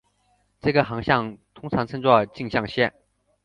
这个航向通常称作径向线。